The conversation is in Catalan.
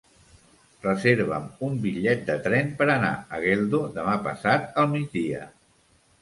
Reserva'm un bitllet de tren per anar a Geldo demà passat al migdia.